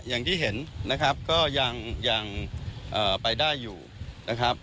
อย่างที่เห็นนะครับก็ยังไปได้อยู่นะครับ